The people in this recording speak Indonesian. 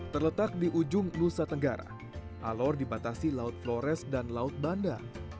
terletak di ujung nusa tenggara alor dibatasi laut flores dan laut banda